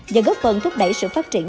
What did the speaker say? và góp phần thúc đẩy sự phát triển